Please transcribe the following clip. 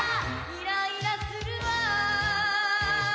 「イライラするわ」